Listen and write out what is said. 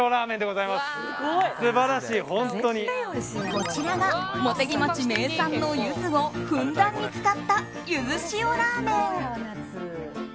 こちらが茂木町名産のユズをふんだんに使ったゆず塩らめん。